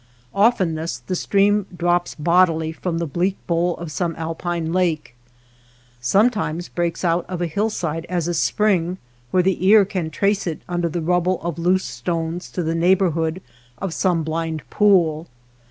Oftenest the stream drops bodily from the bleak bowl of some alpine lake ; sometimes breaks out of a hillside as a spring where the ear can trace it under the rubble of loose stones to the neighborhood of some blind pool.